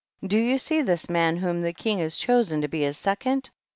Do you see this man whom the king has chosen to be his second?